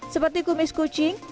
seperti kumis kucing